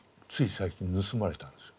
最近盗まれたんです。